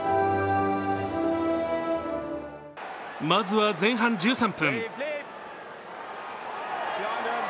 まずは前半１３分。